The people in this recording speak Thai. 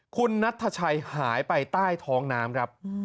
คุณนัทชัยหายไปใต้ท้องน้ำครับ